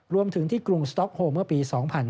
รวมถึงที่กรุงสต๊อกโฮเมื่อปี๒๕๕๙